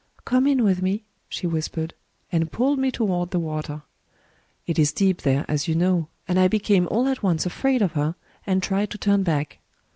'Come in with me,' she whispered, and pulled me toward the water. It is deep there, as you know; and I became all at once afraid of her, and tried to turn back.